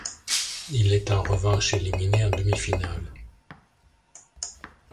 Il est en revanche éliminé en demi-finales.